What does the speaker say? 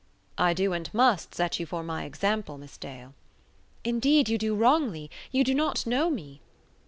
"I do and must set you for my example, Miss Dale." "Indeed, you do wrongly; you do not know me."